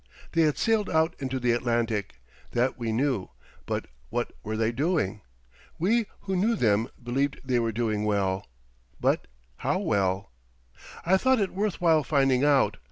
They had sailed out into the Atlantic that we knew; but what were they doing? We who knew them believed they were doing well. But how well? I thought it worth while finding out.